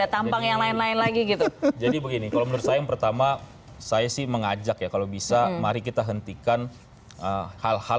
terima kasih terima kasih